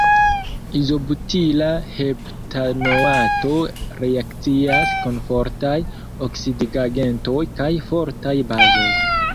Izobutila heptanoato reakcias kun fortaj oksidigagentoj kaj fortaj bazoj.